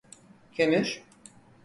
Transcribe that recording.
Kömür…